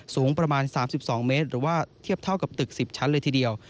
สูงประมาณ๓๒เมตรหรือว่าเทียบเท่ากับตึก๑๐ชั้นเลยทีเดียว